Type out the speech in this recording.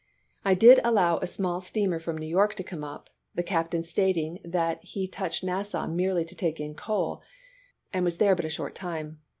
.. I did allow a small steamer from New York to come up, the captain stating that he touched at Nassau merely to take in coal, and was there but a short time.